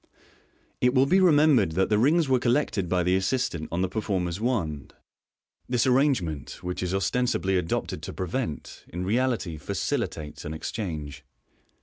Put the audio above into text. It will be remembered that the rings were collected by the assistant on the performer's wand. This arrangement, which is ostensibly adopted to prevent, in reality facili tates an exchange.